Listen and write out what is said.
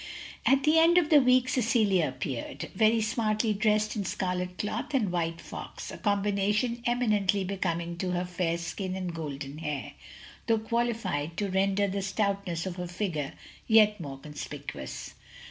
At the end of the week, Cecilia appeared; very smartly dressed in scarlet cloth and white fox, a combination eminently booming to her fair skin and golden hair, though qtialified to render the stoutness of her figure yet more conspicuous.